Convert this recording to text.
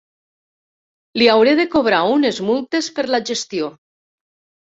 Li hauré de cobrar unes multes per la gestió.